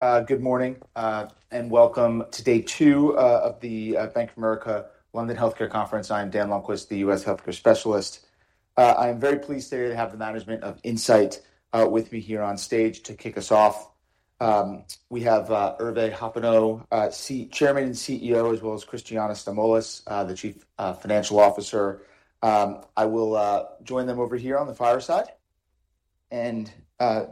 Good morning, and welcome to day two of the Bank of America London Healthcare Conference. I'm Dan Lundquist, the US Healthcare Specialist. I'm very pleased today to have the management of Incyte with me here on stage to kick us off. We have Hervé Hoppenot, chairman and CEO, as well as Christiana Stamoulis, the Chief Financial Officer. I will join them over here on the far side.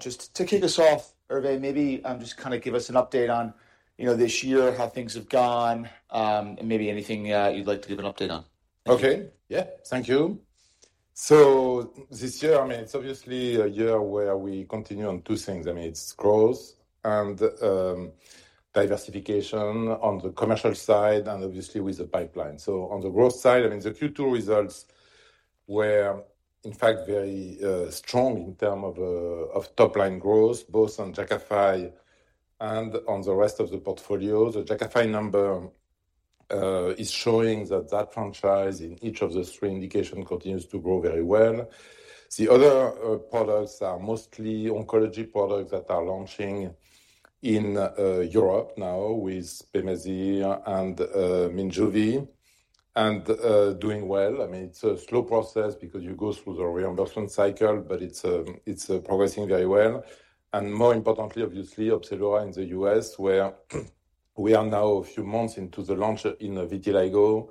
Just to kick us off, Hervé, maybe just kind of give us an update on, you know, this year, how things have gone, and maybe anything you'd like to give an update on. Okay. Yeah. Thank you. So this year, I mean, it's obviously a year where we continue on two things. I mean, it's growth and diversification on the commercial side and obviously with the pipeline. So on the growth side, I mean, the Q2 results were, in fact, very strong in terms of top-line growth, both on Jakafi and on the rest of the portfolio. The Jakafi number is showing that that franchise in each of the three indications continues to grow very well. The other products are mostly oncology products that are launching in Europe now with Pemazyre and Monjuvi, and doing well. I mean, it's a slow process because you go through the reimbursement cycle, but it's progressing very well. More importantly, obviously, Opzelura in the US, where we are now a few months into the launch in vitiligo,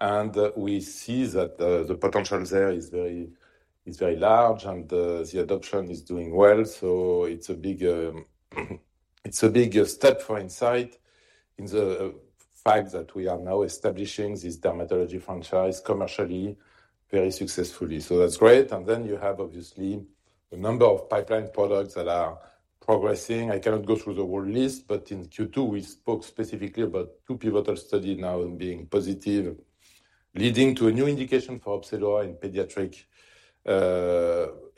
and we see that the potential there is very large, and the adoption is doing well. So it's a big step for Incyte in the fact that we are now establishing this dermatology franchise commercially, very successfully. So that's great. And then you have obviously a number of pipeline products that are progressing. I cannot go through the whole list, but in Q2, we spoke specifically about two pivotal study now being positive, leading to a new indication for Opzelura in pediatric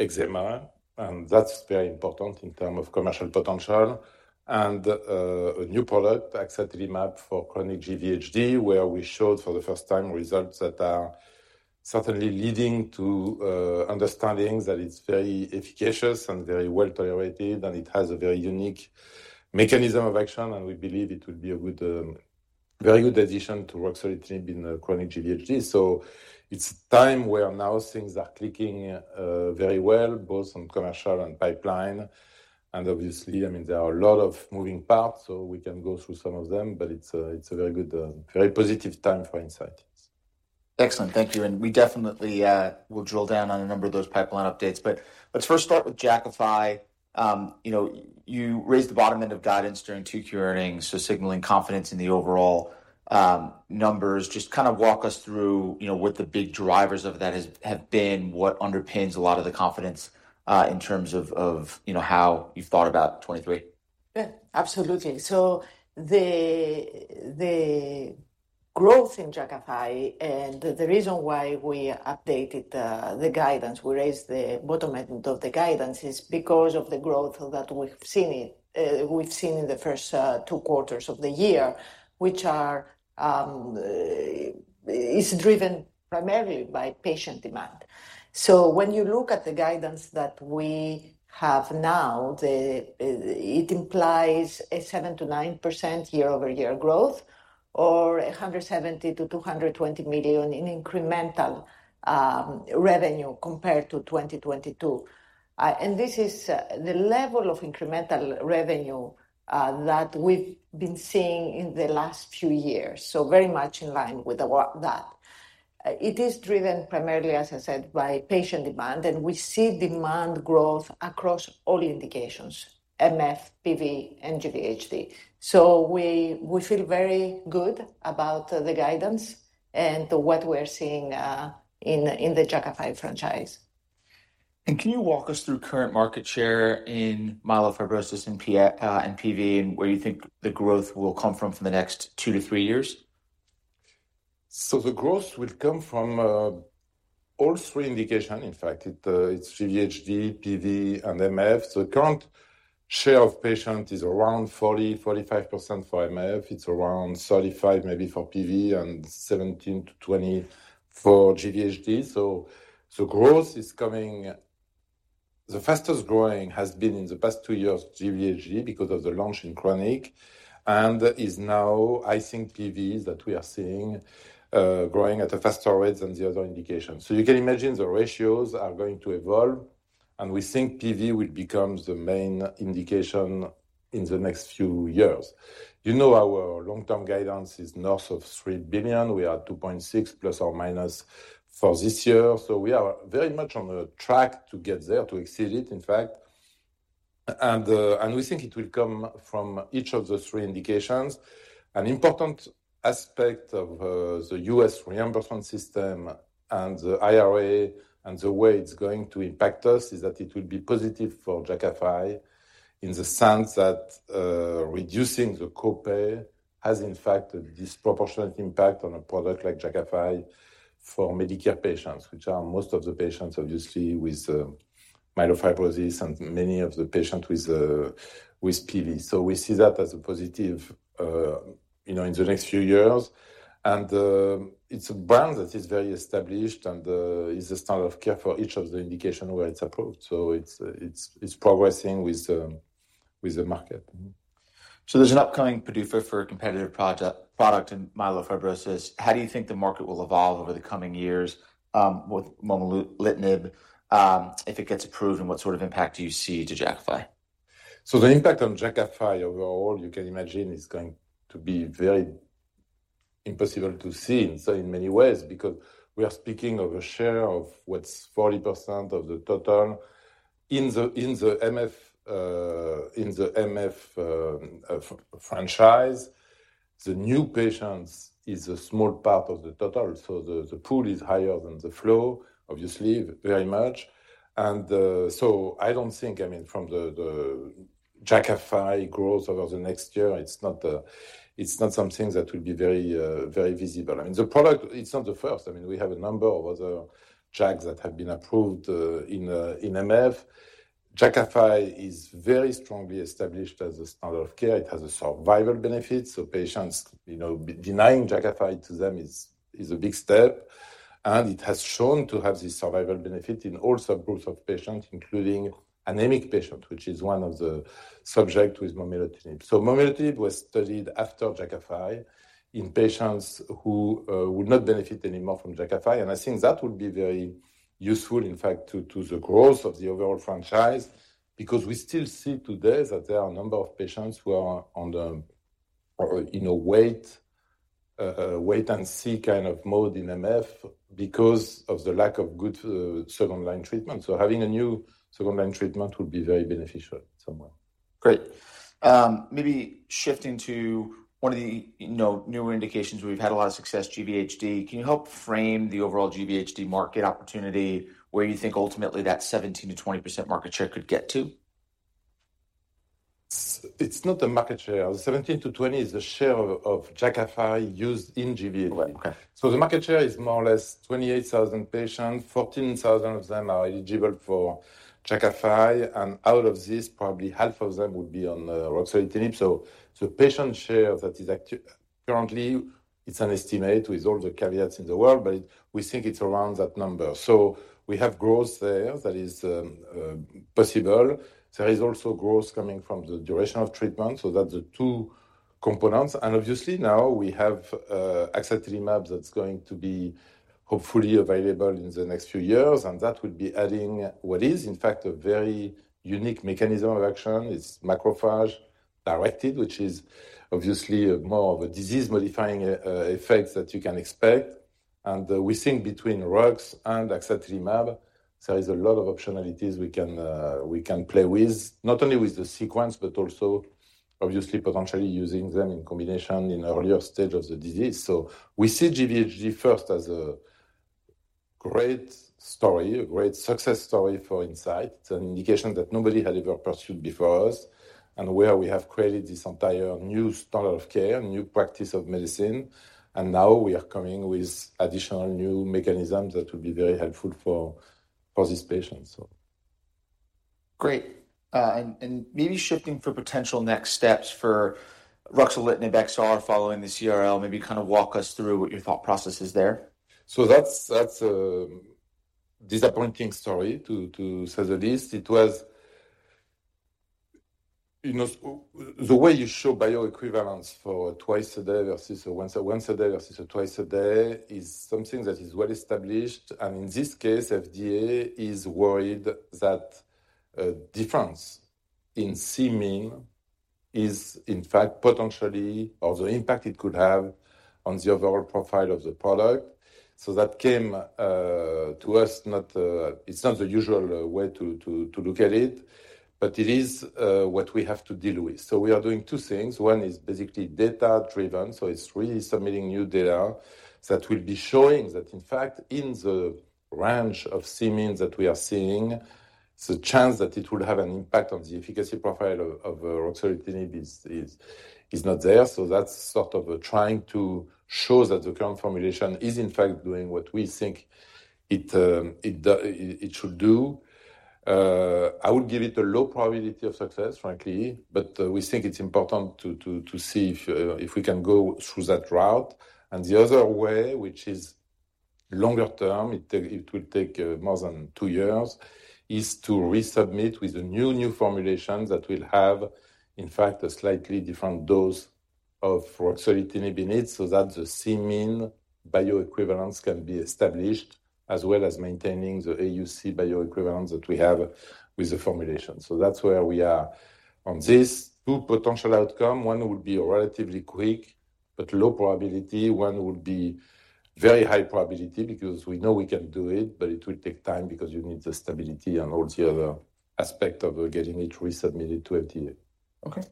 eczema, and that's very important in term of commercial potential. A new product, axatilimab, for chronic GVHD, where we showed for the first time results that are certainly leading to understanding that it's very efficacious and very well tolerated, and it has a very unique mechanism of action, and we believe it will be a good, very good addition to ruxolitinib in chronic GVHD. So it's time where now things are clicking, very well, both on commercial and pipeline. And obviously, I mean, there are a lot of moving parts, so we can go through some of them, but it's a very good, very positive time for Incyte. Excellent. Thank you. And we definitely will drill down on a number of those pipeline updates. But let's first start with Jakafi. You know, you raised the bottom end of guidance during Q2 earnings, so signaling confidence in the overall numbers. Just kind of walk us through, you know, what the big drivers of that have been, what underpins a lot of the confidence, in terms of, you know, how you've thought about 2023. Yeah, absolutely. So the growth in Jakafi and the reason why we updated the guidance, we raised the bottom end of the guidance, is because of the growth that we've seen in we've seen in the first two quarters of the year, which are is driven primarily by patient demand. So when you look at the guidance that we have now, the... It implies a 7%-9% year-over-year growth or $170 million-$220 million in incremental revenue compared to 2022. And this is the level of incremental revenue that we've been seeing in the last few years. So very much in line with the work that. It is driven primarily, as I said, by patient demand, and we see demand growth across all indications, MF, PV, and GVHD. So we feel very good about the guidance and what we're seeing in the Jakafi franchise. And can you walk us through current market share in myelofibrosis and PV, and where you think the growth will come from for the next 2-3 years? So the growth will come from all three indication. In fact, it's GVHD, PV, and MF. So current share of patient is around 40%-45% for MF. It's around 35%, maybe for PV, and 17%-20% for GVHD. So growth is coming. The fastest growing has been in the past two years, GVHD, because of the launch in chronic, and is now, I think, PV, that we are seeing growing at a faster rate than the other indications. So you can imagine the ratios are going to evolve, and we think PV will become the main indication in the next few years. You know, our long-term guidance is north of $3 billion. We are $2.6 billion ± for this year. So we are very much on a track to get there, to exceed it, in fact. And we think it will come from each of the three indications. An important aspect of the US reimbursement system and the IRA and the way it's going to impact us is that it will be positive for Jakafi, in the sense that reducing the copay has, in fact, a disproportionate impact on a product like Jakafi for Medicare patients, which are most of the patients, obviously, with myelofibrosis and many of the patients with PV. So we see that as a positive, you know, in the next few years. And it's a brand that is very established and is the standard of care for each of the indication where it's approved. So it's progressing with the market.... So there's an upcoming PDUFA for a competitive product in myelofibrosis. How do you think the market will evolve over the coming years with momelotinib, if it gets approved, and what sort of impact do you see to Jakafi? So the impact on Jakafi overall, you can imagine, is going to be very impossible to see in so many ways, because we are speaking of a share of what's 40% of the total in the, in the MF, in the MF, franchise. The new patients is a small part of the total, so the, the pool is higher than the flow, obviously, very much. And, so I don't think, I mean, from the, the Jakafi growth over the next year, it's not, it's not something that will be very, very visible. I mean, the product, it's not the first. I mean, we have a number of other drugs that have been approved, in, in MF. Jakafi is very strongly established as a standard of care. It has a survival benefit, so patients, you know, denying Jakafi to them is a big step, and it has shown to have this survival benefit in all subgroups of patients, including anemic patients, which is one of the subject with momelotinib. So momelotinib was studied after Jakafi in patients who would not benefit anymore from Jakafi, and I think that would be very useful, in fact, to the growth of the overall franchise. Because we still see today that there are a number of patients who are on the, or in a wait-and-see kind of mode in MF because of the lack of good second-line treatment. So having a new second-line treatment would be very beneficial somewhere. Great. Maybe shifting to one of the, you know, newer indications, where we've had a lot of success, GVHD. Can you help frame the overall GVHD market opportunity, where you think ultimately that 17%-20% market share could get to? It's not a market share. 17-20 is the share of Jakafi used in GVHD. Right. Okay. So the market share is more or less 28,000 patients. Fourteen thousand of them are eligible for Jakafi, and out of this, probably half of them would be on ruxolitinib. So patient share that is currently, it's an estimate with all the caveats in the world, but we think it's around that number. So we have growth there that is possible. There is also growth coming from the duration of treatment, so that's the two components. And obviously, now we have axatilimab that's going to be hopefully available in the next few years, and that will be adding what is, in fact, a very unique mechanism of action. It's macrophage-directed, which is obviously more of a disease-modifying effect that you can expect. We think between RUX and axatilimab, there is a lot of optionalities we can play with, not only with the sequence, but also obviously potentially using them in combination in earlier stage of the disease. So we see GVHD first as a great story, a great success story for Incyte. It's an indication that nobody had ever pursued before us, and where we have created this entire new standard of care, new practice of medicine, and now we are coming with additional new mechanisms that will be very helpful for these patients. Great. Maybe shifting for potential next steps for ruxolitinib XR following the CRL, maybe kind of walk us through what your thought process is there. So that's a disappointing story, to say the least. It was... You know, the way you show bioequivalence for twice a day versus a once a day versus a twice a day is something that is well established. And in this case, FDA is worried that difference in Cmin is in fact potentially, or the impact it could have on the overall profile of the product. So that came to us, not... It's not the usual way to look at it, but it is what we have to deal with. So we are doing two things. One is basically data-driven, so it's really submitting new data that will be showing that, in fact, in the range of Cmin that we are seeing, the chance that it will have an impact on the efficacy profile of ruxolitinib is not there. So that's sort of trying to show that the current formulation is, in fact, doing what we think it should do. I would give it a low probability of success, frankly, but we think it's important to see if we can go through that route. The other way, which is longer term, it will take more than two years, is to resubmit with a new, new formulation that will have, in fact, a slightly different dose of ruxolitinib in it, so that the Cmin bioequivalence can be established, as well as maintaining the AUC bioequivalence that we have with the formulation. So that's where we are on this. Two potential outcome. One would be relatively quick, but low probability. One would be very high probability, because we know we can do it, but it will take time because you need the stability and all the other aspect of getting it resubmitted to FDA. Okay.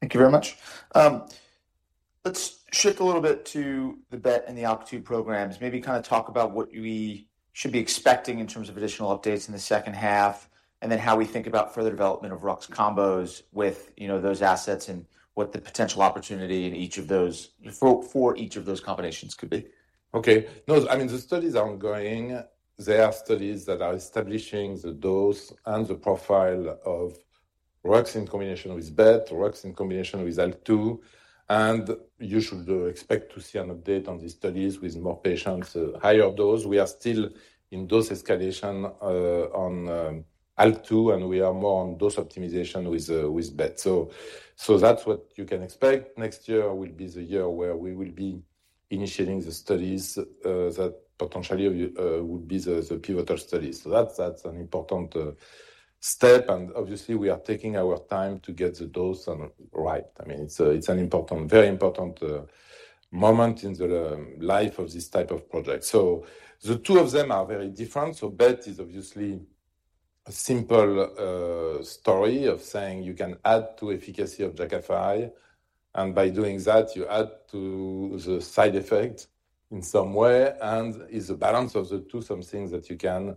Thank you very much. Let's shift a little bit to the BET and the ALK2 programs. Maybe kind of talk about what we should be expecting in terms of additional updates in the second half, and then how we think about further development of Rux combos with, you know, those assets, and what the potential opportunity in each of those, for each of those combinations could be. Okay. No, I mean, the studies are ongoing. There are studies that are establishing the dose and the profile of RUX in combination with BET, RUX in combination with ALK2, and you should expect to see an update on these studies with more patients, higher dose. We are still in dose escalation on ALK2, and we are more on dose optimization with BET. So, that's what you can expect. Next year will be the year where we will be initiating the studies that potentially would be the pivotal studies. So that's an important step, and obviously we are taking our time to get the dose right. I mean, it's an important, very important moment in the life of this type of project. So the two of them are very different. So BET is obviously a simple story of saying you can add to efficacy of Jakafi, and by doing that, you add to the side effect in some way, and is a balance of the two, some things that you can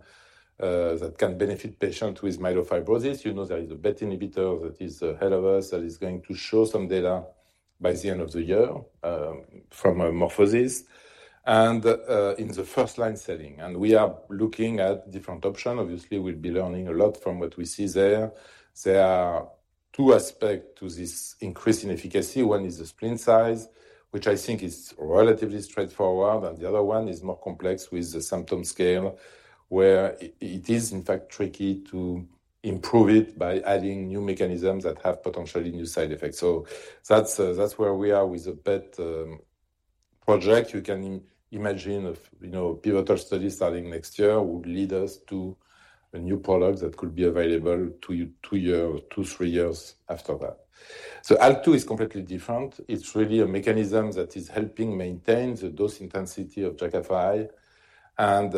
that can benefit patients with myelofibrosis. You know, there is a BET inhibitor that is ahead of us, that is going to show some data by the end of the year, from a MorphoSys and in the first line setting. And we are looking at different options. Obviously, we'll be learning a lot from what we see there. There are two aspects to this increase in efficacy. One is the spleen size, which I think is relatively straightforward, and the other one is more complex with the symptom scale, where it is in fact tricky to improve it by adding new mechanisms that have potentially new side effects. So that's where we are with the BET project. You can imagine, you know, pivotal study starting next year would lead us to a new product that could be available two to three years after that. So ALK2 is completely different. It's really a mechanism that is helping maintain the dose intensity of Jakafi, and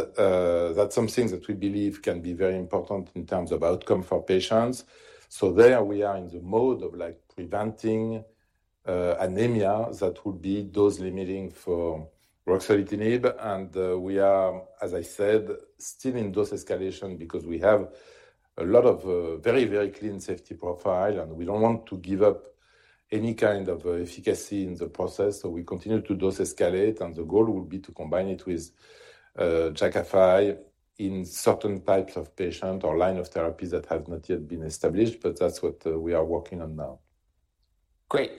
that's something that we believe can be very important in terms of outcome for patients. So there we are in the mode of, like, preventing anemia that would be dose-limiting for ruxolitinib. We are, as I said, still in dose escalation because we have a lot of very, very clean safety profile, and we don't want to give up any kind of efficacy in the process. So we continue to dose escalate, and the goal would be to combine it with Jakafi in certain types of patient or line of therapies that have not yet been established. But that's what we are working on now. Great.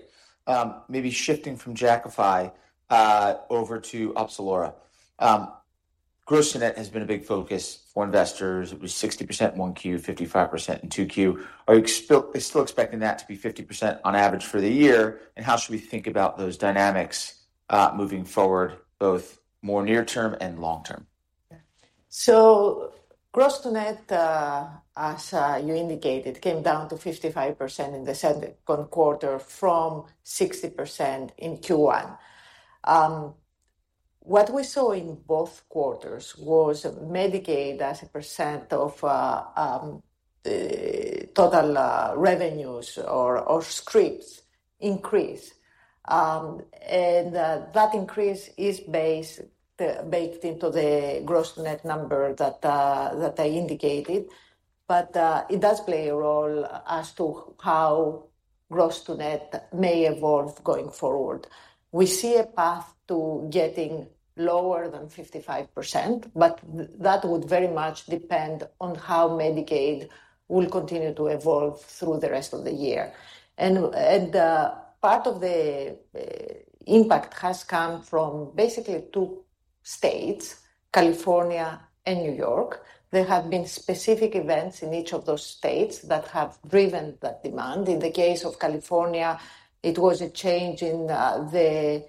Maybe shifting from Jakafi over to Opzelura. Gross-to-net has been a big focus for investors. It was 60% in 1Q, 55% in 2Q. Are you still, still expecting that to be 50% on average for the year? And how should we think about those dynamics moving forward, both more near term and long term? Gross-to-net, as you indicated, came down to 55% in the second quarter from 60% in Q1. What we saw in both quarters was Medicaid as a percent of total revenues or scripts increase. That increase is baked into the gross-to-net number that I indicated. But it does play a role as to how gross-to-net may evolve going forward. We see a path to getting lower than 55%, but that would very much depend on how Medicaid will continue to evolve through the rest of the year. Part of the impact has come from basically two states, California and New York. There have been specific events in each of those states that have driven that demand. In the case of California, it was a change in the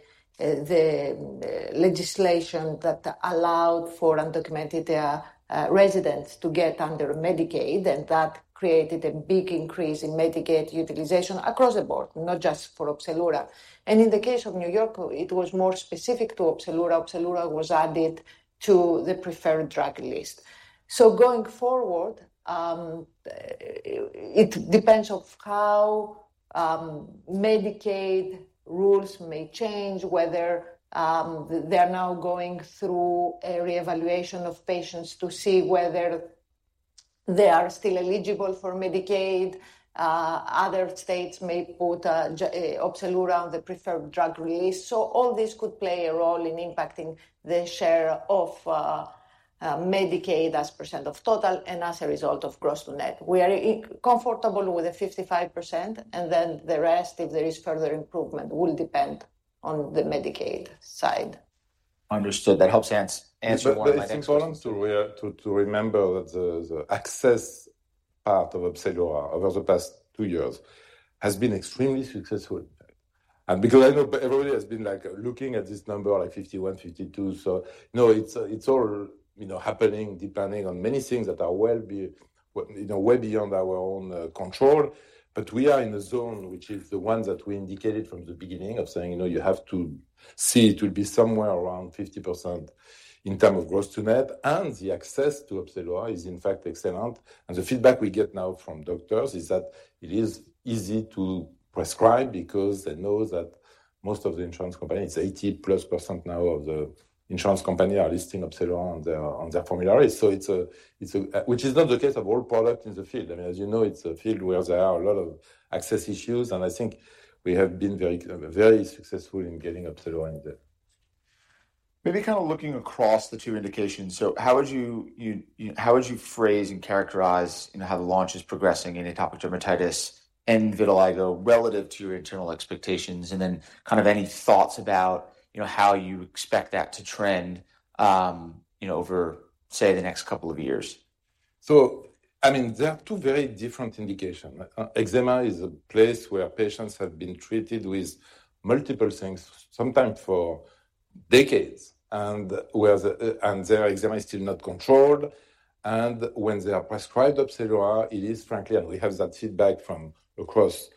legislation that allowed for undocumented residents to get under Medicaid, and that created a big increase in Medicaid utilization across the board, not just for Opzelura. And in the case of New York, it was more specific to Opzelura. Opzelura was added to the preferred drug list. So going forward, it depends on how Medicaid rules may change, whether they are now going through a reevaluation of patients to see whether they are still eligible for Medicaid. Other states may put Opzelura on the preferred drug list. So all this could play a role in impacting the share of Medicaid as percent of total and as a result of gross-to-net. We are comfortable with the 55%, and then the rest, if there is further improvement, will depend on the Medicaid side. Understood. That helps answer one of my next questions. But it's important to remember that the access part of Opzelura over the past two years has been extremely successful. And because I know everybody has been, like, looking at this number, like 51, 52. So no, it's, it's all, you know, happening depending on many things that are well beyond our own control. But we are in a zone, which is the one that we indicated from the beginning of saying: "You know, you have to see it will be somewhere around 50% in terms of gross-to-net," and the access to Opzelura is, in fact, excellent. And the feedback we get now from doctors is that it is easy to prescribe because they know that most of the insurance companies, 80+% now of the insurance company are listing Opzelura on their, on their formularies. So it's a, it's a... which is not the case of all products in the field. I mean, as you know, it's a field where there are a lot of access issues, and I think we have been very, very successful in getting Opzelura in there. Maybe kind of looking across the two indications. So how would you phrase and characterize, you know, how the launch is progressing in atopic dermatitis and vitiligo relative to your internal expectations? And then kind of any thoughts about, you know, how you expect that to trend, you know, over, say, the next couple of years?... So, I mean, they are two very different indication. Eczema is a place where patients have been treated with multiple things, sometimes for decades, and where the and their eczema is still not controlled. And when they are prescribed Opzelura, it is frankly, and we have that feedback from across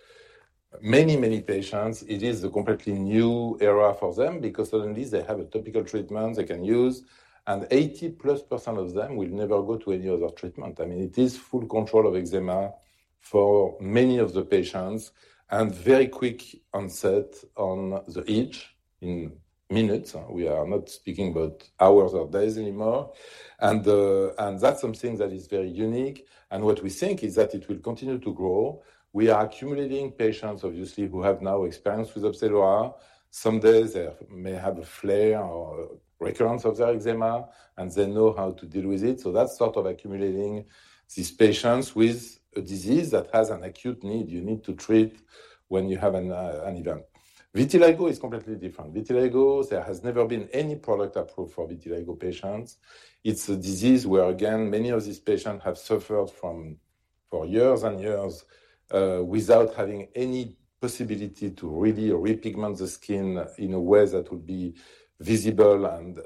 many, many patients. It is a completely new era for them because suddenly they have a topical treatment they can use, and 80%+ of them will never go to any other treatment. I mean, it is full control of eczema for many of the patients and very quick onset on the itch in minutes. We are not speaking about hours or days anymore and, and that's something that is very unique, and what we think is that it will continue to grow. We are accumulating patients, obviously, who have now experience with Opzelura. Some days they may have a flare or recurrence of their eczema, and they know how to deal with it. So that's sort of accumulating these patients with a disease that has an acute need. You need to treat when you have an event. Vitiligo is completely different. Vitiligo, there has never been any product approved for vitiligo patients. It's a disease where, again, many of these patients have suffered from for years and years without having any possibility to really repigment the skin in a way that would be visible and,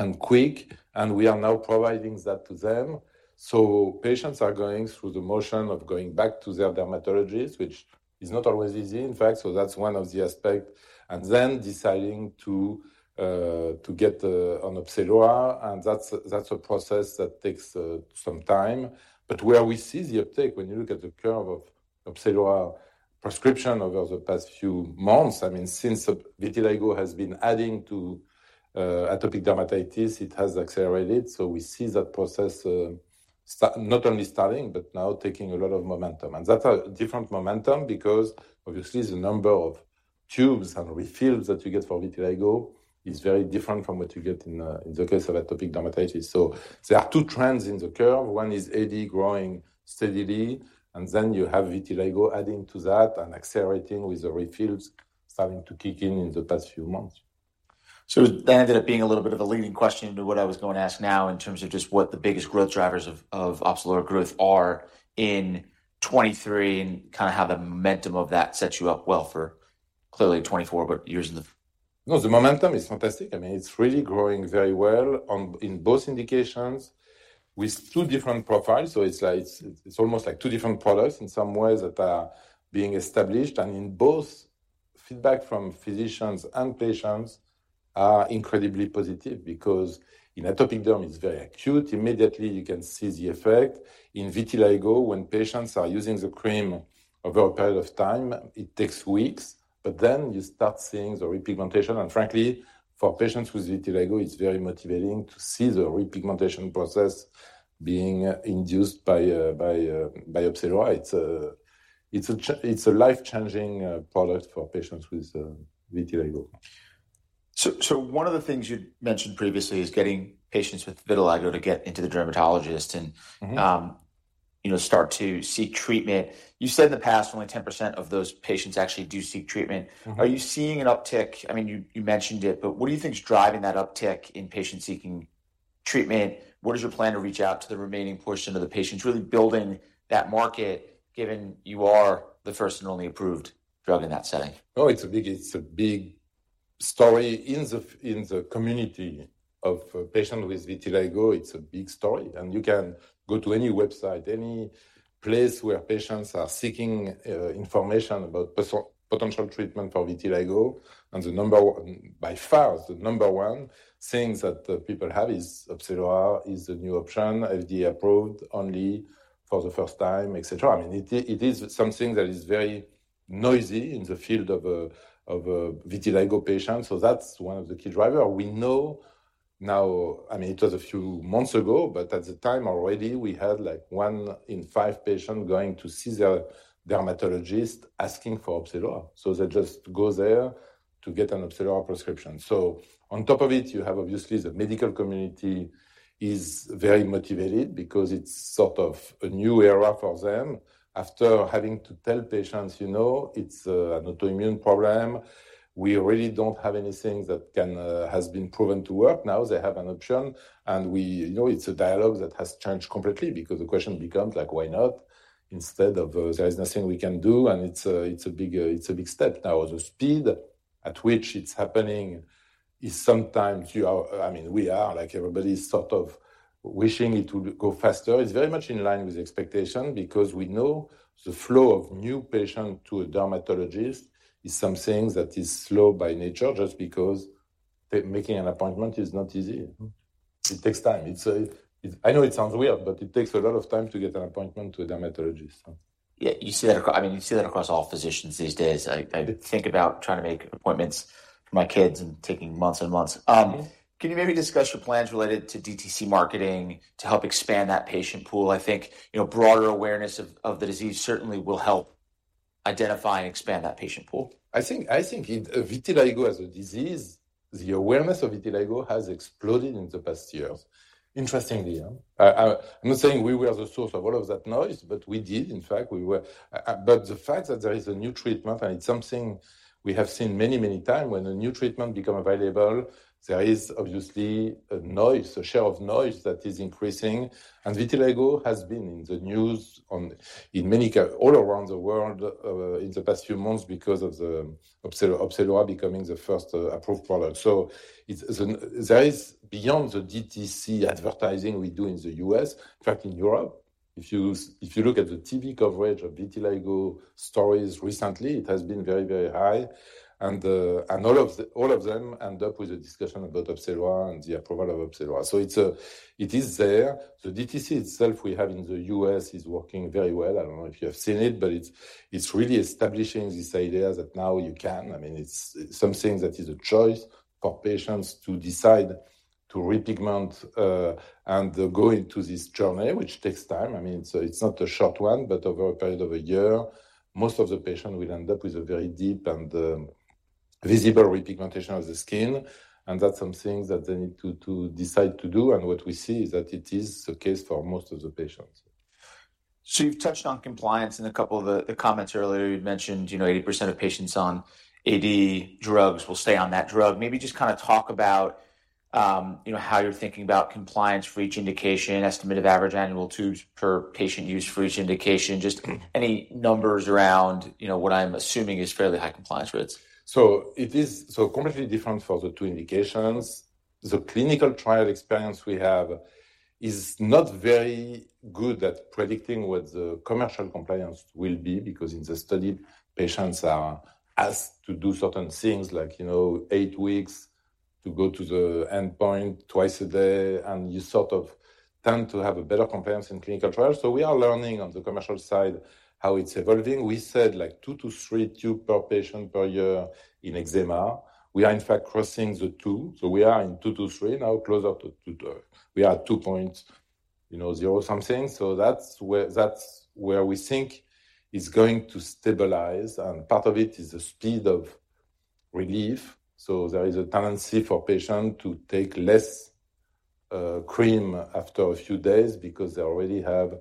and quick, and we are now providing that to them. So patients are going through the motion of going back to their dermatologist, which is not always easy, in fact, so that's one of the aspect. And then deciding to get on Opzelura, and that's a process that takes some time. But where we see the uptake, when you look at the curve of Opzelura prescription over the past few months, I mean, since the vitiligo has been adding to atopic dermatitis, it has accelerated. So we see that process starting, not only starting, but now taking a lot of momentum. And that's a different momentum because obviously, the number of tubes and refills that you get for vitiligo is very different from what you get in the case of atopic dermatitis. So there are two trends in the curve. One is AD growing steadily, and then you have vitiligo adding to that and accelerating with the refills starting to kick in in the past few months. So that ended up being a little bit of a leading question to what I was going to ask now, in terms of just what the biggest growth drivers of, of Opzelura growth are in 2023, and kind of how the momentum of that sets you up well for clearly 2024, but years in the- No, the momentum is fantastic. I mean, it's really growing very well on in both indications with two different profiles. So it's like, it's almost like two different products in some ways that are being established, and in both feedback from physicians and patients are incredibly positive because in atopic derm, it's very acute. Immediately you can see the effect. In vitiligo, when patients are using the cream over a period of time, it takes weeks, but then you start seeing the repigmentation. And frankly, for patients with vitiligo, it's very motivating to see the repigmentation process being induced by Opzelura. It's a life-changing product for patients with vitiligo. So, one of the things you'd mentioned previously is getting patients with vitiligo to get into the dermatologist and- Mm-hmm... you know, start to seek treatment. You said in the past, only 10% of those patients actually do seek treatment. Mm-hmm. Are you seeing an uptick? I mean, you, you mentioned it, but what do you think is driving that uptick in patients seeking treatment? What is your plan to reach out to the remaining portion of the patients, really building that market, given you are the first and only approved drug in that setting? Oh, it's a big, it's a big story. In the community of patients with vitiligo, it's a big story. And you can go to any website, any place where patients are seeking information about potential treatment for vitiligo, and the number one—by far, the number one thing that the people have is Opzelura is a new option, FDA-approved only for the first time, et cetera. I mean, it is, it is something that is very noisy in the field of a vitiligo patient, so that's one of the key driver. We know now. I mean, it was a few months ago, but at the time already, we had, like, one in five patients going to see their dermatologist asking for Opzelura. So they just go there to get an Opzelura prescription. So on top of it, you have obviously the medical community is very motivated because it's sort of a new era for them. After having to tell patients, "You know, it's a, an autoimmune problem, we really don't have anything that can, has been proven to work." Now they have an option, and we... You know, it's a dialogue that has changed completely because the question becomes like, "Why not?" Instead of, "There is nothing we can do," and it's a, it's a big, it's a big step. Now, the speed at which it's happening is sometimes I mean, we are like everybody is sort of wishing it would go faster. It's very much in line with the expectation because we know the flow of new patients to a dermatologist is something that is slow by nature, just because the making an appointment is not easy. It takes time. I know it sounds weird, but it takes a lot of time to get an appointment to a dermatologist, so. Yeah, you see that across all physicians these days. I think about trying to make appointments for my kids and taking months and months. Can you maybe discuss your plans related to DTC marketing to help expand that patient pool? I think, you know, broader awareness of the disease certainly will help identify and expand that patient pool. I think vitiligo as a disease, the awareness of vitiligo has exploded in the past years. Interestingly, I'm not saying we were the source of all of that noise, but we did. In fact, we were. But the fact that there is a new treatment, and it's something we have seen many, many times, when a new treatment become available, there is obviously a noise, a share of noise that is increasing. And vitiligo has been in the news in many countries all around the world in the past few months because of Opzelura becoming the first approved product. So it's, it's an... There is beyond the DTC advertising we do in the U.S. In fact, in Europe, if you look at the TV coverage of vitiligo stories recently, it has been very, very high. And all of them end up with a discussion about Opzelura and the approval of Opzelura. So it's, it is there. The DTC itself we have in the U.S. is working very well. I don't know if you have seen it, but it's, it's really establishing this idea that now you can. I mean, it's something that is a choice for patients to decide to repigment, and go into this journey, which takes time. I mean, so it's not a short one, but over a period of a year, most of the patients will end up with a very deep and, visible repigmentation of the skin, and that's something that they need to, to decide to do. And what we see is that it is the case for most of the patients. So you've touched on compliance in a couple of the comments earlier. You mentioned, you know, 80% of patients on AD drugs will stay on that drug. Maybe just kind of talk about, you know, how you're thinking about compliance for each indication, estimated average annual tubes per patient use for each indication. Just- Mm. Any numbers around, you know, what I'm assuming is fairly high compliance rates. It is so completely different for the two indications. The clinical trial experience we have is not very good at predicting what the commercial compliance will be, because in the study, patients are asked to do certain things, like, you know, eight weeks to go to the endpoint twice a day, and you sort of tend to have a better compliance in clinical trials. We are learning on the commercial side, how it's evolving. We said, like two to three tubes per patient per year in eczema. We are in fact crossing the two, so we are in two to three, now, closer to two tube. We are two point, you know, zero something. That's where, that's where we think it's going to stabilize, and part of it is the speed of relief. So there is a tendency for patients to take less cream after a few days because they already have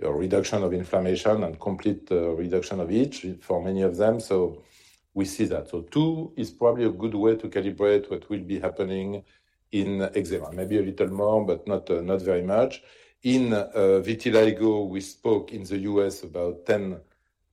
a reduction of inflammation and complete reduction of itch for many of them. So we see that. So two is probably a good way to calibrate what will be happening in eczema. Maybe a little more, but not very much. In vitiligo, we spoke in the U.S. about 10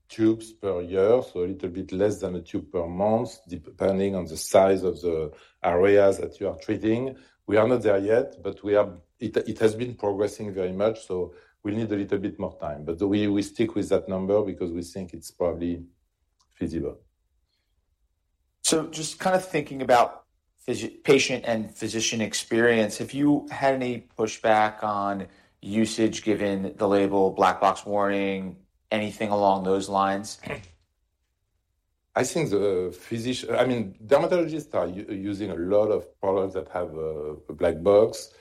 tubes per year, so a little bit less than a tube per month, depending on the size of the areas that you are treating. We are not there yet, but we are... It has been progressing very much, so we need a little bit more time. But we stick with that number because we think it's probably feasible. Just kind of thinking about patient and physician experience, have you had any pushback on usage given the label, black box warning, anything along those lines? I think, I mean, dermatologists are using a lot of products that have a black box.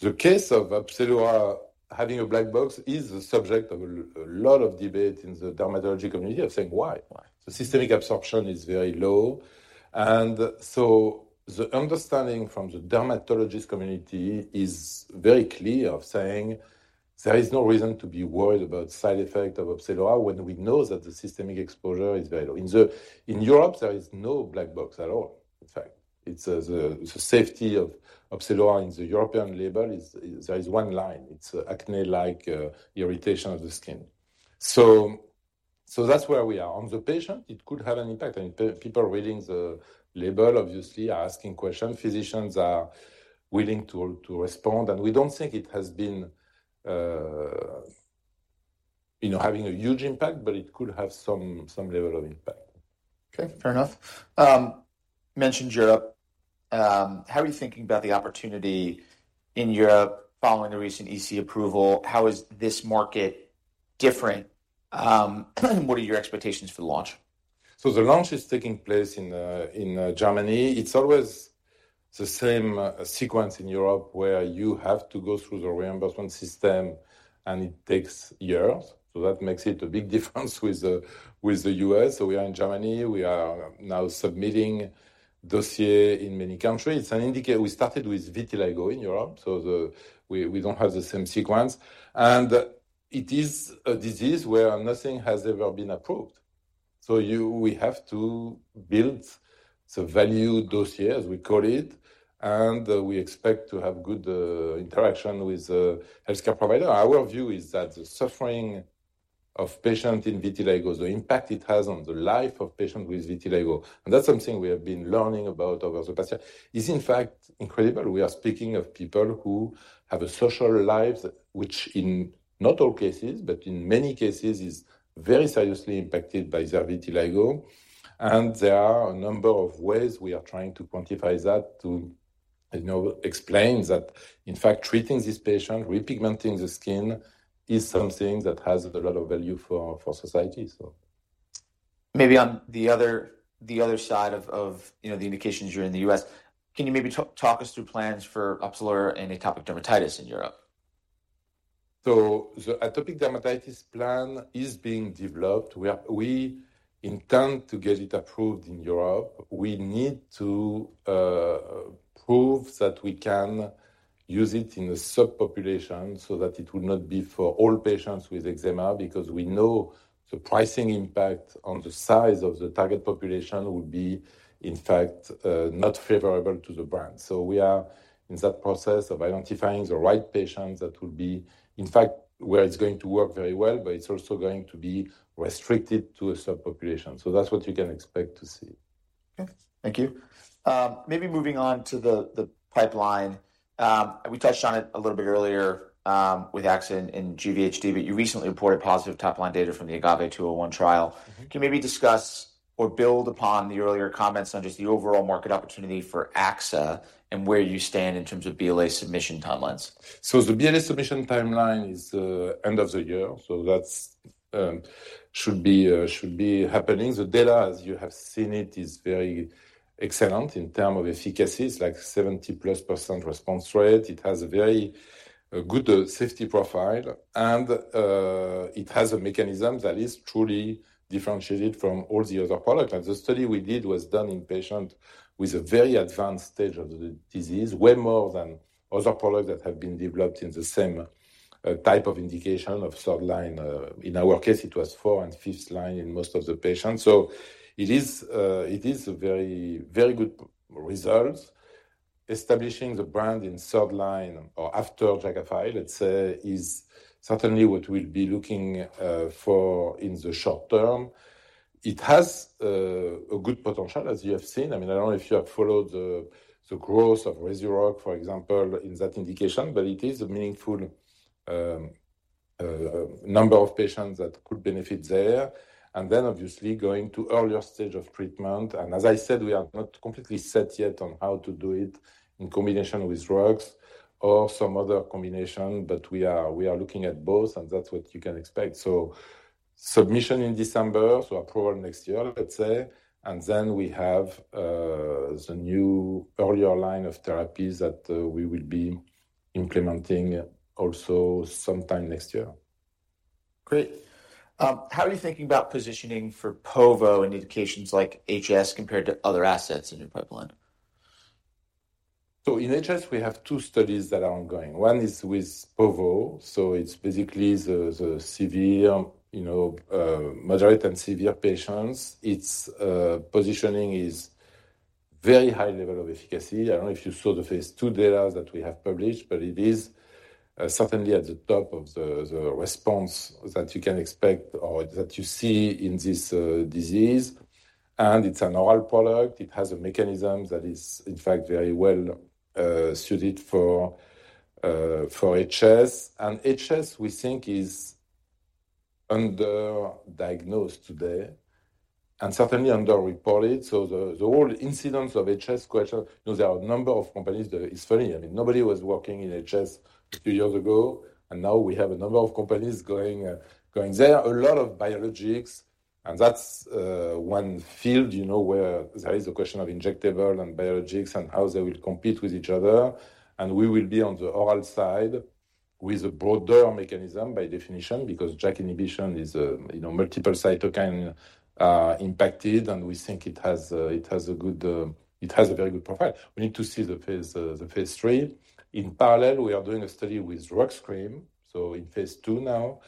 The case of Opzelura having a black box is a subject of a lot of debate in the dermatology community of saying, "Why? Why? The systemic absorption is very low, and so the understanding from the dermatologist community is very clear of saying, "There is no reason to be worried about side effect of Opzelura when we know that the systemic exposure is very low." In Europe, there is no black box at all. In fact, it's the safety of Opzelura in the European label is, there is one line: It's an acne-like irritation of the skin. So that's where we are. On the patient, it could have an impact, and people are reading the label, obviously, are asking questions. Physicians are willing to respond, and we don't think it has been, you know, having a huge impact, but it could have some level of impact. Okay, fair enough. Mentioned Europe. How are you thinking about the opportunity in Europe following the recent EC approval? How is this market different? And what are your expectations for the launch? So the launch is taking place in Germany. It's always the same sequence in Europe, where you have to go through the reimbursement system, and it takes years. So that makes it a big difference with the U.S. So we are in Germany. We are now submitting dossier in many countries. It's an indicator. We started with vitiligo in Europe, so the. We don't have the same sequence. And it is a disease where nothing has ever been approved. So we have to build the value dossier, as we call it, and we expect to have good interaction with the healthcare provider. Our view is that the suffering of patients in vitiligo, the impact it has on the life of patients with vitiligo, and that's something we have been learning about over the past year, is in fact incredible. We are speaking of people who have a social life, which, in not all cases, but in many cases, is very seriously impacted by their vitiligo. There are a number of ways we are trying to quantify that to, you know, explain that. In fact, treating these patients, repigmenting the skin, is something that has a lot of value for, for society, so. Maybe on the other side of the indications you're in the US, can you maybe talk us through plans for Opzelura and atopic dermatitis in Europe?... So the atopic dermatitis plan is being developed. We intend to get it approved in Europe. We need to prove that we can use it in a subpopulation, so that it will not be for all patients with eczema, because we know the pricing impact on the size of the target population will be, in fact, not favorable to the brand. So we are in that process of identifying the right patients that will be, in fact, where it's going to work very well, but it's also going to be restricted to a subpopulation. So that's what you can expect to see. Okay. Thank you. Maybe moving on to the pipeline. We touched on it a little bit earlier, with AXA and GVHD, but you recently reported positive top-line data from the AGAVE-201 trial. Can you maybe discuss or build upon the earlier comments on just the overall market opportunity for AXA and where you stand in terms of BLA submission timelines? So the BLA submission timeline is the end of the year, so that's should be happening. The data, as you have seen it, is very excellent in terms of efficacy. It's like 70%+ response rate. It has a very good safety profile, and it has a mechanism that is truly differentiated from all the other products. And the study we did was done in patients with a very advanced stage of the disease, way more than other products that have been developed in the same type of indication of third line. In our case, it was fourth and fifth line in most of the patients. So it is a very, very good results. Establishing the brand in third line or after Jakafi, let's say, is certainly what we'll be looking for in the short term. It has a good potential, as you have seen. I mean, I don't know if you have followed the growth of Rezurock, for example, in that indication, but it is a meaningful number of patients that could benefit there. And then obviously going to earlier stage of treatment, and as I said, we are not completely set yet on how to do it in combination with drugs or some other combination, but we are looking at both, and that's what you can expect. So submission in December, so approval next year, let's say. And then we have the new earlier line of therapies that we will be implementing also sometime next year. Great. How are you thinking about positioning for povo in indications like HS compared to other assets in your pipeline? So in HS, we have two studies that are ongoing. One is with povo, so it's basically the severe, you know, moderate and severe patients. Its positioning is very high level of efficacy. I don't know if you saw the phase II data that we have published, but it is certainly at the top of the response that you can expect or that you see in this disease. And it's an oral product. It has a mechanism that is, in fact, very well suited for HS. And HS, we think, is underdiagnosed today and certainly underreported. So the whole incidence of HS question, you know, there are a number of companies that... It's funny, I mean, nobody was working in HS two years ago, and now we have a number of companies going there. A lot of biologics, and that's one field, you know, where there is a question of injectable and biologics and how they will compete with each other. We will be on the oral side with a broader mechanism, by definition, because JAK inhibition is a, you know, multiple cytokine impacted, and we think it has a good, it has a very good profile. We need to see the phase III. In parallel, we are doing a study with RUX cream, so in phase II now,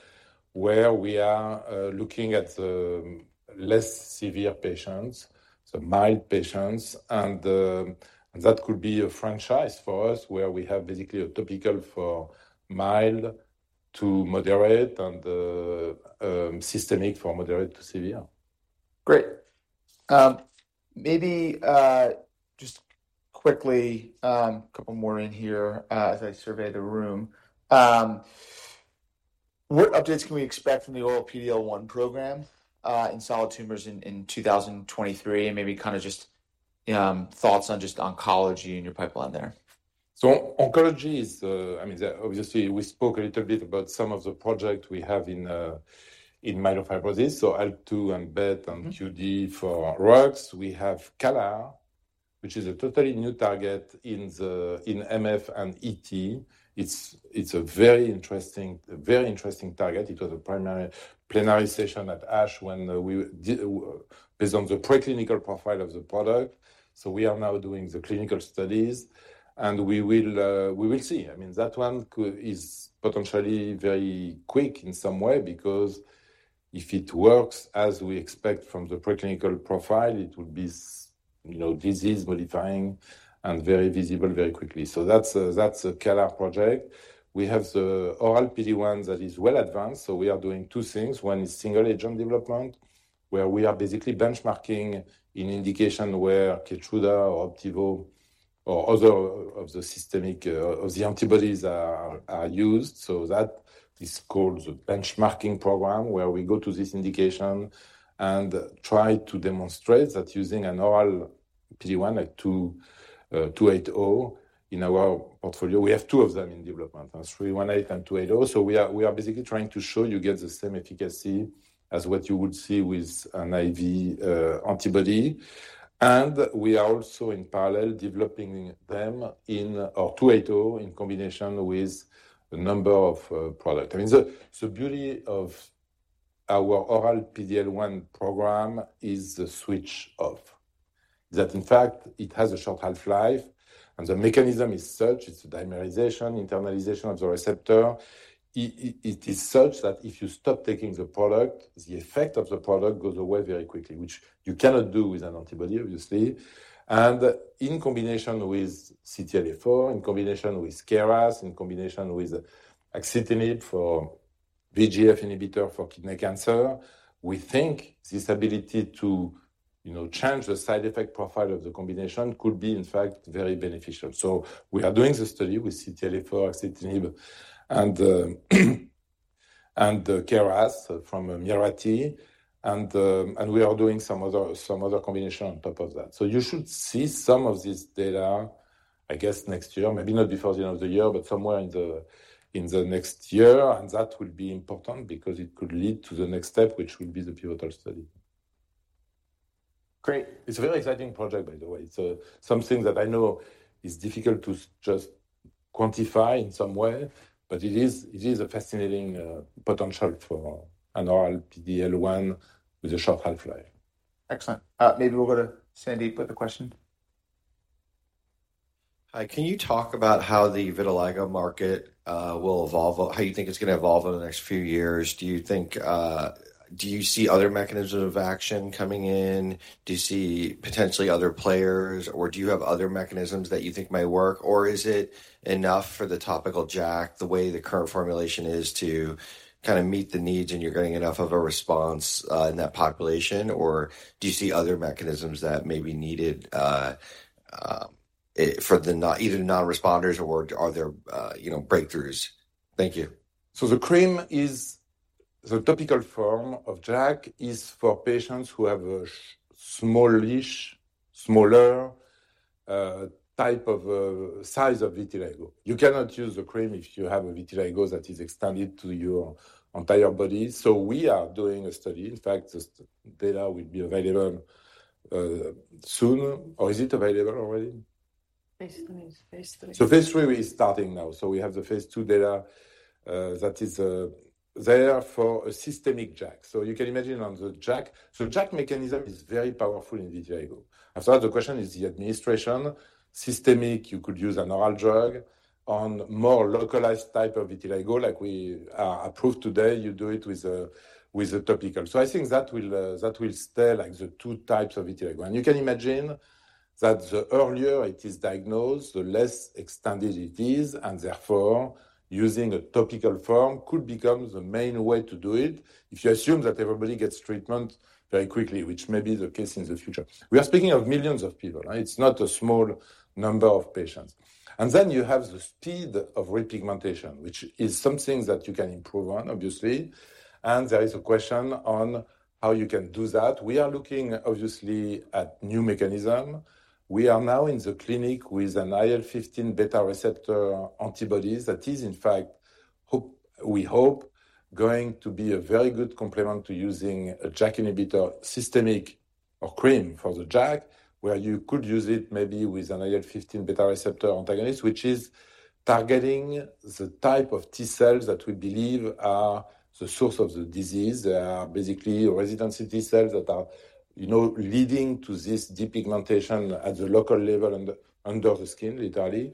where we are looking at the less severe patients, so mild patients, and that could be a franchise for us, where we have basically a topical for mild to moderate and systemic for moderate to severe. Great. Maybe, just quickly, a couple more in here, as I survey the room. What updates can we expect from the oral PD-L1 program, in solid tumors in 2023? And maybe kind of just, thoughts on just oncology in your pipeline there. So oncology is, I mean, obviously, we spoke a little bit about some of the project we have in myelofibrosis, so ALK2 and BET and QD for RUX. We have CALR, which is a totally new target in the MF and ET. It's a very interesting target. It was a plenary session at ASH when we did based on the preclinical profile of the product. So we are now doing the clinical studies, and we will see. I mean, that one could be potentially very quick in some way because if it works as we expect from the preclinical profile, it will be, you know, disease-modifying and very visible very quickly. So that's a CALR project. We have the oral PD-1 that is well advanced, so we are doing two things. One is single agent development, where we are basically benchmarking in indication where Keytruda or Opdivo or other of the systemic, of the antibodies are used. So that is called the benchmarking program, where we go to this indication and try to demonstrate that using an oral PD-1, like 280, in our portfolio. We have two of them in development, 318 and 280. So we are basically trying to show you get the same efficacy as what you would see with an IV antibody. And we are also in parallel, developing 280 in combination with a number of product. I mean, the beauty of our oral PD-L1 program is the switch off. That, in fact, it has a short half-life, and the mechanism is such. It's dimerization, internalization of the receptor. It is such that if you stop taking the product, the effect of the product goes away very quickly, which you cannot do with an antibody, obviously. And in combination with CTLA-4, in combination with KRAS, in combination with axitinib for VEGF inhibitor for kidney cancer, we think this ability to, you know, change the side effect profile of the combination could be, in fact, very beneficial. So we are doing the study with CTLA-4, axitinib, and, and KRAS from Mirati, and we are doing some other, some other combination on top of that. So you should see some of this data, I guess, next year. Maybe not before the end of the year, but somewhere in the next year. That will be important because it could lead to the next step, which will be the pivotal study. Great. It's a very exciting project, by the way. It's, something that I know is difficult to just quantify in some way, but it is, it is a fascinating, potential for an oral PD-L1 with a short half-life. Excellent. Maybe we'll go to Sandeep with a question. Hi. Can you talk about how the vitiligo market will evolve? How you think it's gonna evolve over the next few years? Do you think... Do you see other mechanisms of action coming in? Do you see potentially other players, or do you have other mechanisms that you think might work? Or is it enough for the topical JAK, the way the current formulation is to kind of meet the needs, and you're getting enough of a response in that population? Or do you see other mechanisms that may be needed for the non- either non-responders, or are there, you know, breakthroughs? Thank you. So the cream is the topical form of JAK, is for patients who have a smallish, smaller type of size of vitiligo. You cannot use the cream if you have a vitiligo that is extended to your entire body. So we are doing a study. In fact, this data will be available soon, or is it available already? Phase III. It's phase III. So phase III is starting now. So we have the phase II data, that is, there for a systemic JAK. So you can imagine on the JAK. So JAK mechanism is very powerful in vitiligo. And so the question is the administration. Systemic, you could use an oral drug. On more localized type of vitiligo, like we approved today, you do it with a topical. So I think that will, that will stay like the two types of vitiligo. And you can imagine that the earlier it is diagnosed, the less extended it is, and therefore, using a topical form could become the main way to do it. If you assume that everybody gets treatment very quickly, which may be the case in the future. We are speaking of millions of people, right? It's not a small number of patients. And then you have the speed of repigmentation, which is something that you can improve on, obviously, and there is a question on how you can do that. We are looking, obviously, at new mechanism. We are now in the clinic with an IL-15 beta receptor antibodies. That is, in fact, we hope going to be a very good complement to using a JAK inhibitor, systemic or cream for the JAK, where you could use it maybe with an IL-15 beta receptor antagonist, which is targeting the type of T cells that we believe are the source of the disease. They are basically resident T cells that are, you know, leading to this depigmentation at the local level, under the skin, literally.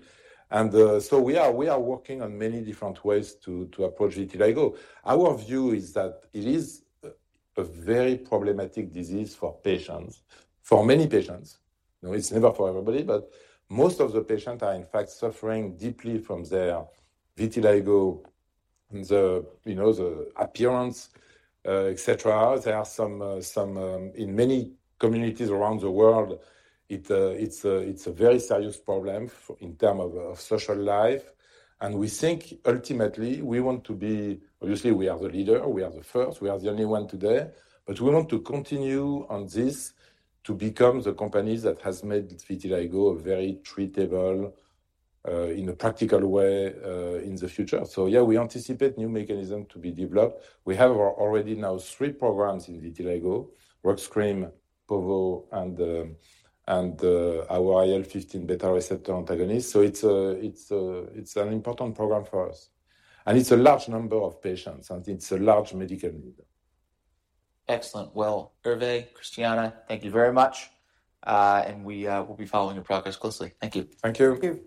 And so we are working on many different ways to approach vitiligo. Our view is that it is a very problematic disease for patients. For many patients. You know, it's never for everybody, but most of the patients are, in fact, suffering deeply from their vitiligo, the you know, the appearance, et cetera. In many communities around the world, it’s a very serious problem for—in terms of social life, and we think ultimately we want to be—obviously, we are the leader, we are the first, we are the only one today, but we want to continue on this to become the company that has made vitiligo very treatable in a practical way in the future. So yeah, we anticipate new mechanism to be developed. We have already now three programs in vitiligo, RUX cream, Povo, and our IL-15 beta receptor antagonist. So it's an important program for us, and it's a large number of patients, and it's a large medical need. Excellent. Well, Hervé, Christiana, thank you very much. And we will be following your progress closely. Thank you. Thank you. Thank you.